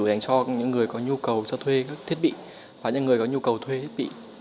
dành cho những người có nhu cầu cho thuê các thiết bị và những người có nhu cầu thuê thiết bị